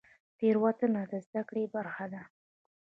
تیروتنه د زده کړې برخه ده؟